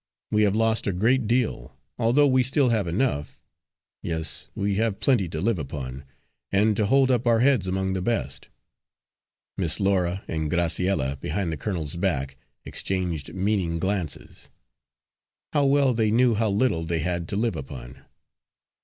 We have lost a great deal, although we still have enough yes, we have plenty to live upon, and to hold up our heads among the best." Miss Laura and Graciella, behind the colonel's back, exchanged meaning glances. How well they knew how little they had to live upon!